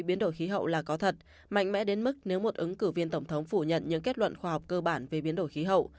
biến đổi khí hậu là có thật mạnh mẽ đến mức nếu một ứng cử viên tổng thống phủ nhận những kết luận khoa học cơ bản về biến đổi khí hậu